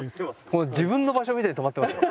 もう自分の場所みたいに止まってますよ。